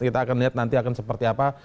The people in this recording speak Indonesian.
kita akan lihat nanti akan seperti apa